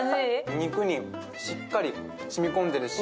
肉にしっかり染み込んでるし。